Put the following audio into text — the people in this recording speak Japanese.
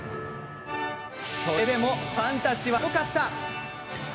それでもファンたちは強かった。